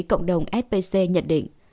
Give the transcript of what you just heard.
cộng đồng spc nhận định